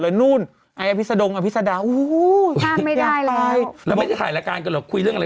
แล้วไม่ได้ถ่ายราการกันหรอกคุยเรื่องอะไร